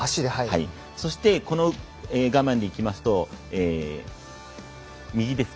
そしてこの画面に行きますと右ですか。